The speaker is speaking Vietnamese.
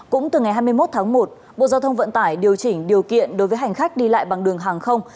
cũng từ ngày hai mươi một tháng một bộ giao thông vận tải điều chỉnh điều kiện đối với hành khách đi lại bằng đường hàng không